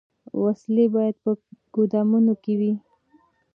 وسلې باید په ګودامونو کي وي.